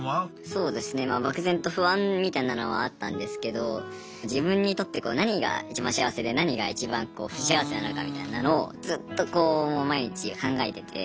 そうですね漠然と不安みたいなのはあったんですけど自分にとって何がいちばん幸せで何がいちばん不幸せなのかみたいなのをずっとこう毎日考えてて。